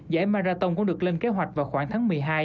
giải marathon cũng được lên kế hoạch vào khoảng tháng một mươi hai